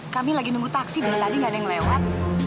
kami lagi nunggu taksi dari tadi nggak ada yang lewat